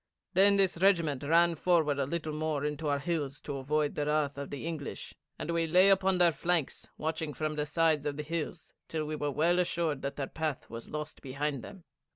Then this regiment ran forward a little more into our hills to avoid the wrath of the English, and we lay upon their flanks watching from the sides of the hills till we were well assured that their path was lost behind them.